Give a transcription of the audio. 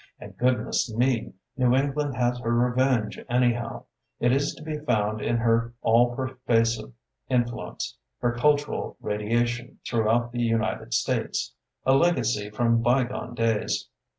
And, goodness me. New England has her revenge anyhow. It is to be found in her all pervasive influence, her cul tural radiation throughout the United States, — a legacy from bygone days.